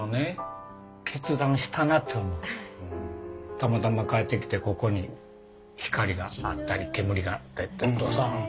たまたま帰ってきてここに光があったり煙があったりとかさ。